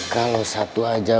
kalau satu aja